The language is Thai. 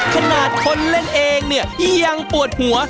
ขนาดคนเล่นเองเนี่ยยังปวดหัว